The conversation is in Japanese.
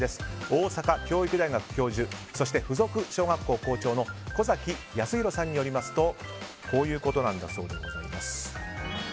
大阪教育大学教授そして付属小学校校長の小崎恭弘さんによりますとこういうことだそうです。